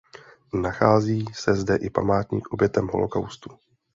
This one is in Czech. Nachází se zde i památník obětem holokaustu.